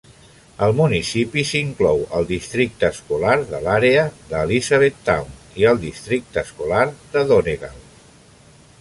El municipi s'inclou al districte escolar de l'àrea de Elizabethtown i al districte escolar de Donegal.